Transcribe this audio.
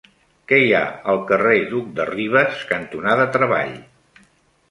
Què hi ha al carrer Duc de Rivas cantonada Treball?